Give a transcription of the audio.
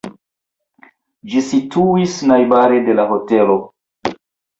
Ĝi situis najbare de la hotelo.